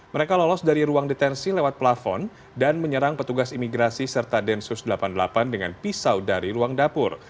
mereka lolos dari ruang detensi lewat plafon dan menyerang petugas imigrasi serta densus delapan puluh delapan dengan pisau dari ruang dapur